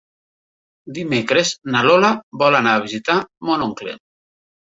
Dimecres na Lola vol anar a visitar mon oncle.